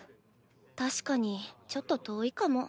確かにちょっと遠いかも。